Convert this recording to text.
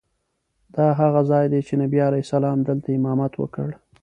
دا هغه ځای دی چې نبي علیه السلام دلته امامت وکړ.